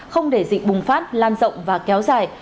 không để dịch bùng phát lan rộng và kéo dài